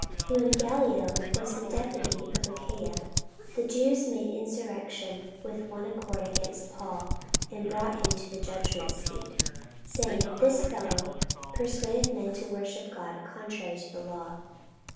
44:018:012 And when Gallio was the deputy of Achaia, the Jews made insurrection with one accord against Paul, and brought him to the judgment seat, 44:018:013 Saying, This fellow persuadeth men to worship God contrary to the law.